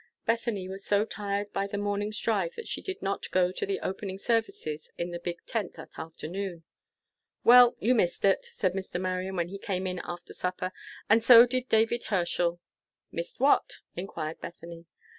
Bethany was so tired by the morning's drive that she did not go to the opening services in the big tent that afternoon. "Well, you missed it!" said Mr. Marion, when he came in after supper, "and so did David Herschel." "Missed what?" inquired Bethany.